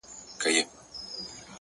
خپل وخت له ارزښت سره برابر کړئ!